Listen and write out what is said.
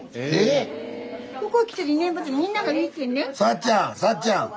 ⁉さっちゃんさっちゃん。